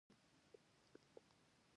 تر اوسه مو څو ډوله کلیزې لیدلې دي؟